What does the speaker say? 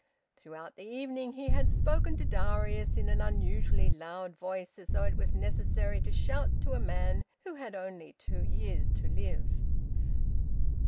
Throughout the evening he had spoken to Darius in an unusually loud voice, as though it was necessary to shout to a man who had only two years to live.